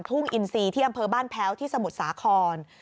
ทุ่งอินซีเที่ยงพระบ้านแพ้วที่สมุทรศาคร